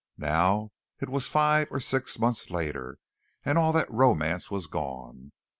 Now, it was five or six months later, and all that romance was gone.